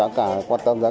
em không quan tâm đâu